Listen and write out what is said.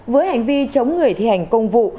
với hành vi chống người thi hành công vụ